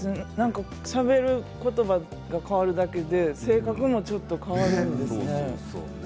しゃべることばが変わるだけで生活もちょっと変わるんですね。